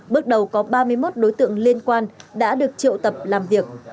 bước đầu có ba mươi một đối tượng liên quan đã được triệu tập làm việc